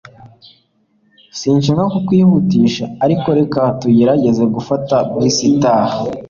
sinshaka kukwihutisha, ariko reka tugerageze gufata bus itaha